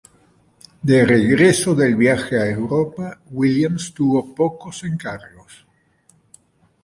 De regreso del viaje a Europa, Williams tuvo pocos encargos.